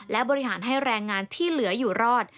และบริหารให้แรงงานที่เหลืออยู่รอด